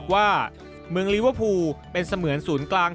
ว่าเมืองลิเวอร์พูลเป็นเสมือนศูนย์กลาง